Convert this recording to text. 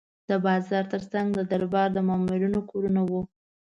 د بازار ترڅنګ د دربار د مامورینو کورونه وو.